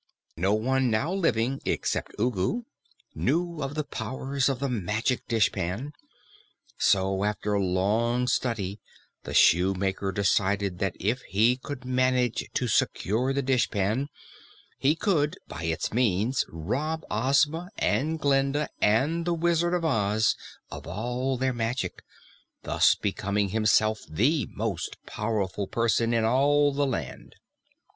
No one now living except Ugu knew of the powers of the Magic Dishpan, so after long study, the shoemaker decided that if he could manage to secure the dishpan, he could by its means rob Ozma and Glinda and the Wizard of Oz of all their magic, thus becoming himself the most powerful person in all the land.